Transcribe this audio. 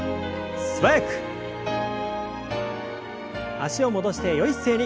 脚を戻してよい姿勢に。